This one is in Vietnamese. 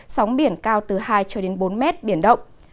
sóng biển cao từ hai cho đến bốn mét biển động